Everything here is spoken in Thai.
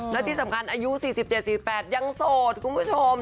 และที่สำคัญอายุ๔๗๔๘ยังโสดคุณผู้ชม